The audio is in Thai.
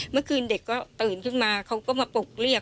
เมื่อคืนเด็กก็ตื่นขึ้นมาเขาก็มาปกเรียก